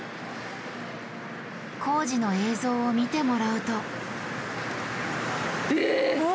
工事の映像を見てもらうと。え！